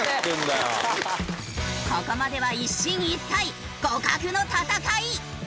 ここまでは一進一退互角の戦い！